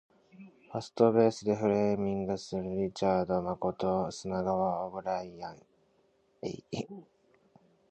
ファーストベースでフレーミングするリチャード誠砂川オブライエン